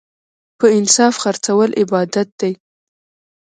په انصاف خرڅول عبادت دی.